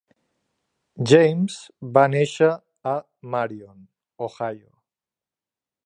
James va néixer a Marion, Ohio.